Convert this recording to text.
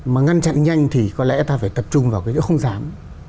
mà ngăn chặn nhanh thì có lẽ ta phải tập trung vào cái chỗ không dám